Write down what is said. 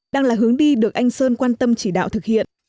đang là hướng đi được anh sơn quan tâm chỉ đạo thực hiện